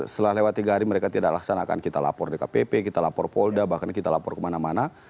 setelah lewat tiga hari mereka tidak laksanakan kita lapor dkpp kita lapor polda bahkan kita lapor kemana mana